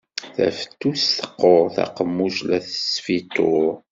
Tafettust teqqur. Taqemmuct la tesfituṛ.